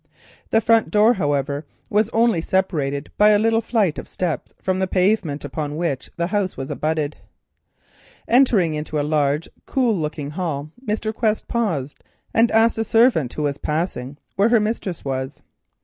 The front door, however, was only separated by a little flight of steps from the pavement upon which the house abutted. Entering a large, cool looking hall, Mr. Quest paused and asked a servant who was passing there where her mistress was.